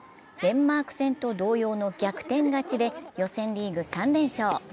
デンマーク戦と同様の逆転勝ちで予選リーグ３連勝。